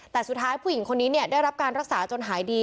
แต่สุดท้ายผู้หญิงคนนี้ได้รับการรักษาจนหายดี